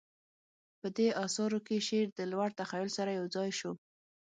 په دې اثارو کې شعر د لوړ تخیل سره یوځای شو